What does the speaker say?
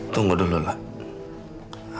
tunggu dulu lah